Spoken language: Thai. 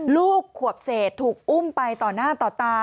ลูกขวบเศษถูกอุ้มไปต่อหน้าต่อตา